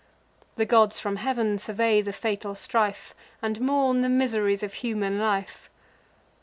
The gods from heav'n survey the fatal strife, And mourn the miseries of human life.